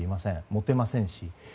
持てませんし。